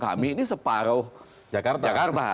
kami ini separuh jakarta